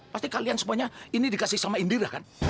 pasti kalian semuanya ini dikasih sama indira kan